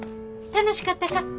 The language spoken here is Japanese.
楽しかったか？